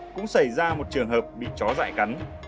cũng xảy ra một trường hợp bị chó dại cắn